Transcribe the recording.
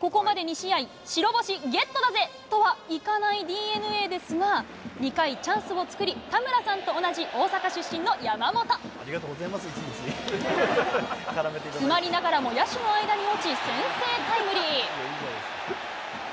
ここまで２試合、白星ゲットだぜとはいかないＤｅＮＡですが、２回、チャンスを作り、ありがとうございます、詰まりながらも野手の間に落ち、先制タイムリー。